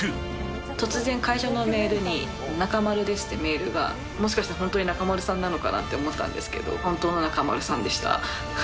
突然、会社のメールに、中丸ですってメールが、もしかして、本当に中丸さんなのかな？って思ったんですけど、本当の中丸さんでした。